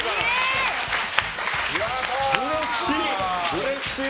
うれしい！